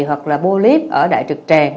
hoặc là bô líp ở đại trực tràng